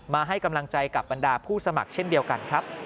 ให้กำลังใจกับบรรดาผู้สมัครเช่นเดียวกันครับ